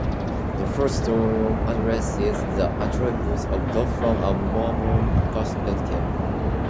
The first volume addresses the attributes of God from a Mormon perspective.